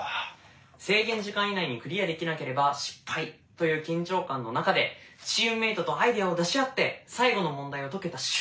制限時間以内にクリアできなければ失敗という緊張感の中でチームメートとアイデアを出し合って最後の問題を解けた瞬間